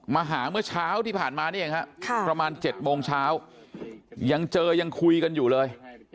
มาหาเมื่อเช้าที่ผ่านมานี่เองฮะประมาณ๗โมงเช้ายังเจอยังคุยกันอยู่เลย